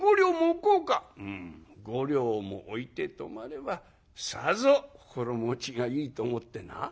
「うん５両も置いて泊まればさぞ心持ちがいいと思ってな」。